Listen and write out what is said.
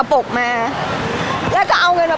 พี่ตอบได้แค่นี้จริงค่ะ